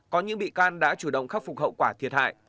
có những bị can đã chủ động khắc phục hậu quả thiệt hại